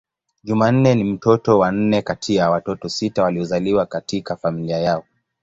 Jumanne ni mtoto wa nne kati ya watoto sita waliozaliwa katika familia yao.